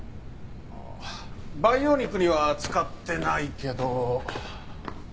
ああ培養肉には使ってないけど。